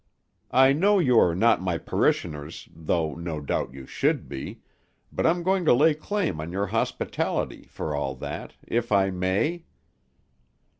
I know you are not my parishioners, though, no doubt, you should be, but I'm going to lay claim to your hospitality, for all that, if I may?"